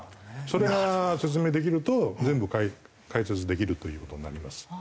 それが説明できると全部解説できるという事になります。